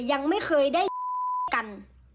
ยังไม่เคยได้กัน